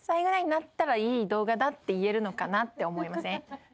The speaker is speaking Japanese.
だって言えるのかなって思いません？